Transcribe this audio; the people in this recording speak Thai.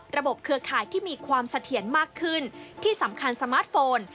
เครือข่ายที่มีความเสถียรมากขึ้นที่สำคัญสมาร์ทโฟน